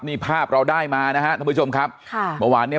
นี่ภาพเราได้มานะฮะท่านผู้ชมครับค่ะเมื่อวานเนี้ย